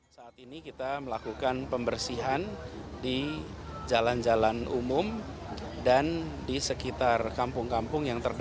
saat ini kita melakukan pembersihan di jalan jalan umum dan di sekitar kampung kampung yang terdapat